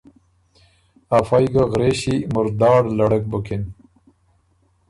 افئ ګه غرېݭی مُرداړ لړک بُکِن۔